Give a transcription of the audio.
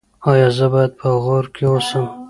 ایا زه باید په غور کې اوسم؟